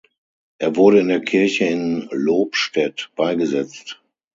Er wurde in der Kirche in Lobstädt beigesetzt.